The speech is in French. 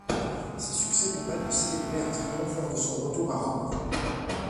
Ces succès lui valent de célébrer un triomphe lors de son retour à Rome.